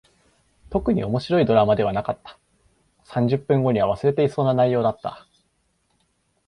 特に面白いドラマではなかった。三十分後には忘れていそうな内容だった。